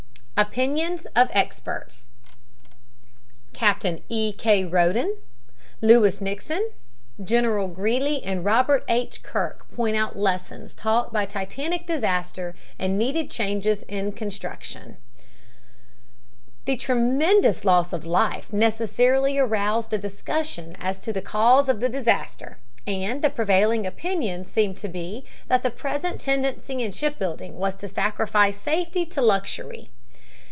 OPINIONS OF EXPERTS CAPTAIN E. K. RODEN, LEWIS NIXON, GENERAL GREELY AND ROBERT H. KIRK POINT OUT LESSONS TAUGHT BY TITANIC DISASTER AND NEEDED CHANGES IN CONSTRUCTION THE tremendous loss of life necessarily aroused a discussion as to the cause of the disaster, and the prevailing opinion seemed to be that the present tendency in shipbuilding was to sacrifice safety to luxury.